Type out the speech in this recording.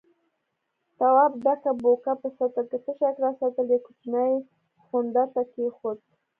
تواب ډکه بوکه په سطل کې تشه کړه، سطل يې کوچني سخوندر ته کېښود.